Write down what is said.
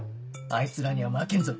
あいつらには負けんぞ。